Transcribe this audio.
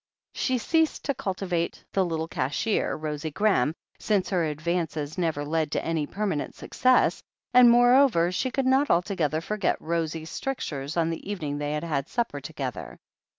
She ceased to cultivate the little cashier, Rosie Graham, since her advances never led to any permanent success, and, moreover, she could not altogether forget Rosie's strictures on the evening they had had supper together.